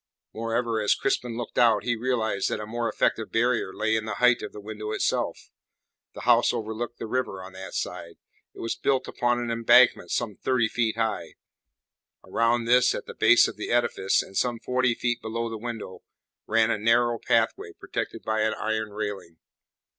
Moreover, as Crispin looked out, he realized that a more effective barrier lay in the height of the window itself. The house overlooked the river on that side; it was built upon an embankment some thirty feet high; around this, at the base of the edifice, and some forty feet below the window, ran a narrow pathway protected by an iron railing.